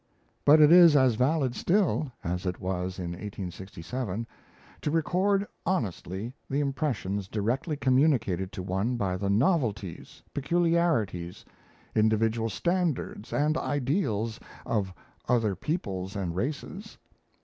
But it is as valid still, as it was in 1867, to record honestly the impressions directly communicated to one by the novelties, peculiarities, individual standards and ideals of other peoples and races.